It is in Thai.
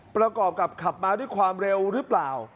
ประกอบกับขับมาด้วยความเร็วหรือเปล่า